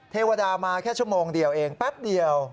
เทวดามาแค่ชั่วโมงเดียวเองแป๊บเดียว